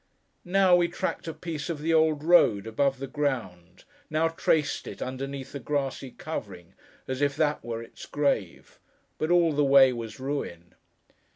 Now, we tracked a piece of the old road, above the ground; now traced it, underneath a grassy covering, as if that were its grave; but all the way was ruin.